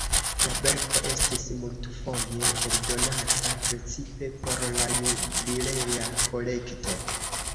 La verko estis multfoje eldonata, precipe por la Jubilea Kolekto.